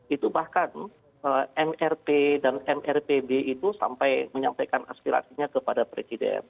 itu bahkan mrt dan mrpb itu sampai menyampaikan aspirasinya kepada presiden